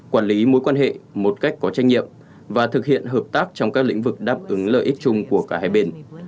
quản lý mối quan hệ một cách có trách nhiệm và thực hiện hợp tác trong các lĩnh vực đáp ứng lợi ích chung của cả hai bên